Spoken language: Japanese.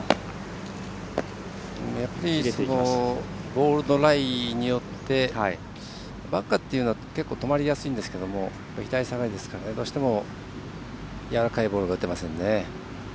ボールのライによってバンカーというのは結構、止まりやすいんですが左下がりですから、どうしてもやわらかいボールが打てませんね。